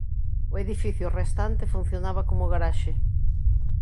O edificio restante funcionaba como garaxe.